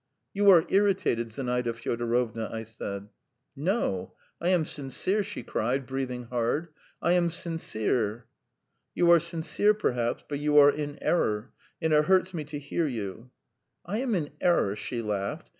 "You are irritated, Zinaida Fyodorovna," I said. "No, I am sincere!" she cried, breathing hard. "I am sincere!" "You are sincere, perhaps, but you are in error, and it hurts me to hear you." "I am in error?" she laughed.